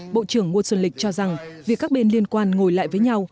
bộ trưởng ngô xuân lịch cho rằng việc các bên liên quan ngồi lại với nhau